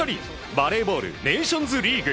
バレーボールネーションズリーグ。